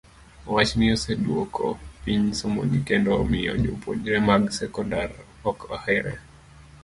Wachni oseduoko piny somoni kendo omiyo jopuonjre mag sekondar ok ohere.